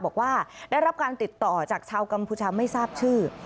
บอกว่าได้รับการติดต่อจากชาวกัมพูชาไม่ทราบชื่อ